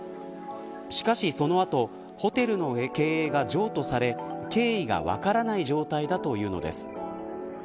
しかし、その後ホテルの経営が譲渡され経緯が分からない状態だというのです。